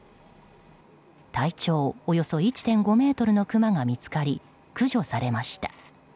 体長およそ１．５ｍのクマが見つかり駆除されました。